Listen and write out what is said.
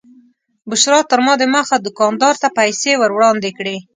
بشرا تر ما دمخه دوکاندار ته پیسې ور وړاندې کړې.